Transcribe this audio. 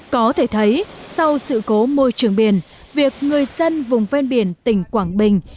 có thể thấy sau sự cố môi trường biển việc người dân vùng ven biển tỉnh quảng bình